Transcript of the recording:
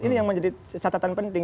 ini yang menjadi catatan penting